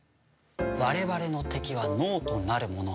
我々の敵は脳人なる者。